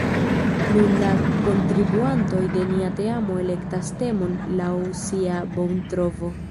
Nun la kontribuantoj de nia teamo elektas temon laŭ sia bontrovo.